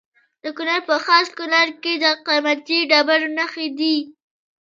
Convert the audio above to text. د کونړ په خاص کونړ کې د قیمتي ډبرو نښې دي.